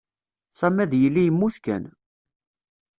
Sami ad yili yemmut kan.